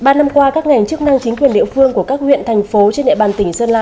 ba năm qua các ngành chức năng chính quyền địa phương của các huyện thành phố trên địa bàn tỉnh sơn la